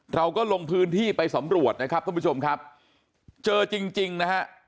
เราก็ลงพื้นที่ไปสำรวจนะครับท่านผู้ชมครับเจอจริงจริงนะฮะ